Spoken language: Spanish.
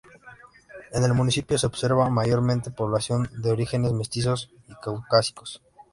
En el municipio se observa mayormente población de orígenes mestizos y caucásicos.